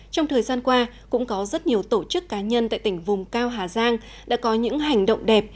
trong thời gian qua cũng có rất nhiều tổ chức cá nhân tại tỉnh vùng cao hà giang đã có những hành động đẹp